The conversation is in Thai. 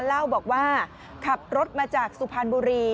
เล่าบอกว่าขับรถมาจากสุพรรณบุรี